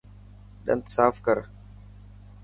ڏنت صاف ڪر.